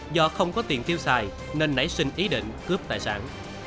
do không có tiền tiêu xài nên nảy sinh ý định cướp tài sản